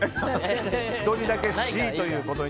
１人だけＣということに。